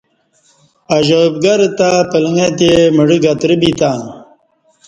عجائب گھرتہ پلݣہ تے مڑہ گترہ بیتں